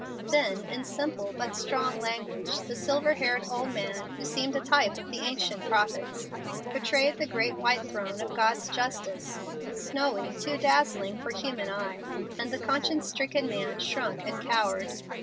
Then in simple but strong language the silver haired old man, who seemed a type of the ancient prophets, portrayed the great white throne of God's justice, snowy, too dazzling for human eyes, and the conscience stricken man shrunk and cowered.